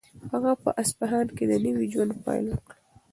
هغه په اصفهان کې د نوي ژوند پیل وکړ.